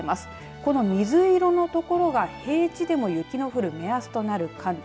この水色の所が平地でも雪の降る目安となる寒気。